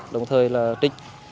đồng thời là trích